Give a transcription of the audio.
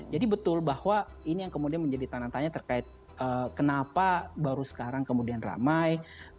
jadi betul bahwa ini yang kemudian menjadi tanya tanya terkait kenapa baru sekarang kemudian ramai